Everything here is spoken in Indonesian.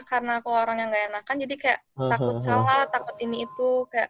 karena kalo orang yang gak enakan jadi kayak takut salah takut ini itu